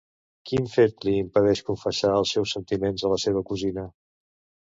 Quin fet li impedeix confessar els seus sentiments a la seva cosina?